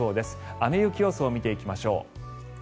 雨・雪予想を見ていきましょう。